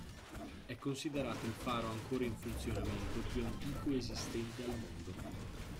È considerato il faro ancora in funzionamento più antico esistente al mondo.